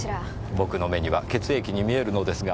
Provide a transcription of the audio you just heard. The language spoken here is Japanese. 僕の目には血液に見えるのですが。